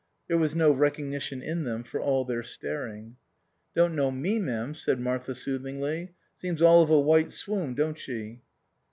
There was no recognition in them for all their staring. "Don't know me, m'm," said Martha sooth ingly ;" seems all of a white swoon, don't she